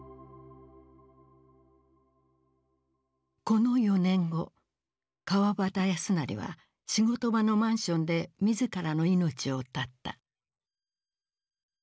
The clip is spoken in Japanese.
この４年後川端康成は仕事場のマンションで自らの命を絶った。